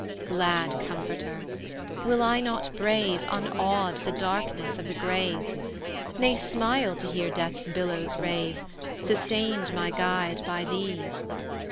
Glad comforter! will I not brave, Unawed, the darkness of the grave? Nay, smile to hear Death's billows rave Sustained, my guide, by thee?